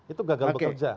itu gagal bekerja